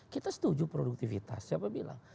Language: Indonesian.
kita setuju produktivitas siapa bilang